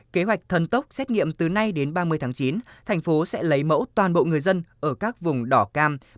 kế hoạch thần tốc xét nghiệm từ nay đến ba mươi tháng chín thành phố sẽ lấy mẫu toàn bộ người dân ở các vùng đỏ cam